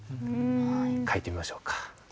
書いてみましょうか。